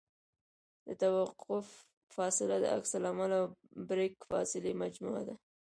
د توقف فاصله د عکس العمل او بریک فاصلې مجموعه ده